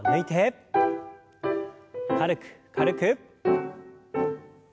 軽く軽く。